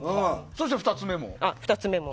そして２つ目も。